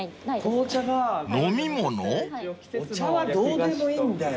お茶はどうでもいいんだよ。